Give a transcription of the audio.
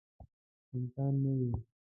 امکان نه وي.